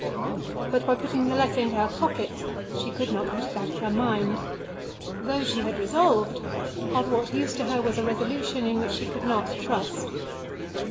But by putting the letter into her pocket she could not put it out of her mind. Though she had resolved, of what use to her was a resolution in which she could not trust?